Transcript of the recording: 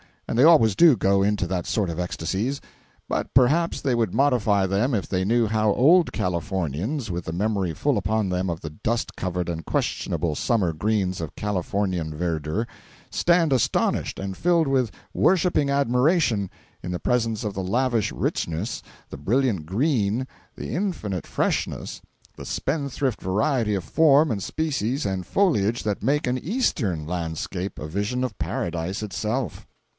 And they always do go into that sort of ecstasies. But perhaps they would modify them if they knew how old Californians, with the memory full upon them of the dust covered and questionable summer greens of Californian "verdure," stand astonished, and filled with worshipping admiration, in the presence of the lavish richness, the brilliant green, the infinite freshness, the spend thrift variety of form and species and foliage that make an Eastern landscape a vision of Paradise itself.